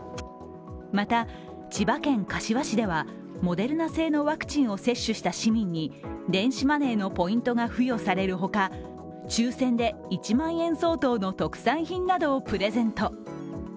また、千葉県柏市ではモデルナ製のワクチンを接種した市民に電子マネーのポイントが付与される他抽選で１万円相当の特産品などをプレゼント。